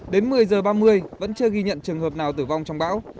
đến một mươi h ba mươi vẫn chưa ghi nhận trường hợp nào tử vong trong bão